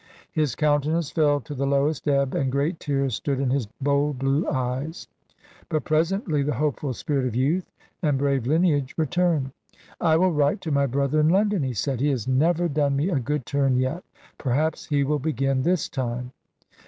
His countenance fell to the lowest ebb, and great tears stood in his bold blue eyes; but presently the hopeful spirit of youth and brave lineage returned. "I will write to my brother in London," he said; "he has never done me a good turn yet; perhaps he will begin this time."